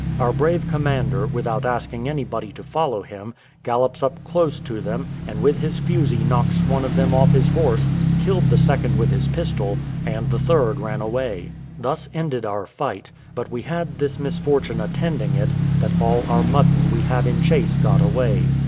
Our brave commander, without asking anybody to follow him, gallops up close to them, and with his fusee knocks one of them off his horse, killed the second with his pistol, and the third ran away. Thus ended our fight; but we had this misfortune attending it, that all our mutton we had in chase got away.